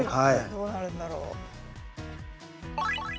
どうなるんだろう。